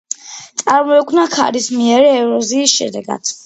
წარმოიქმნა ქარისმიერი ეროზიის შედეგად.